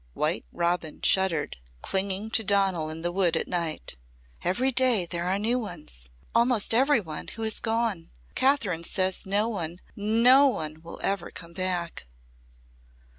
white Robin shuddered, clinging to Donal in the wood at night. "Every day there are new ones. Almost every one who has gone! Kathryn says that no one no one will ever come back!"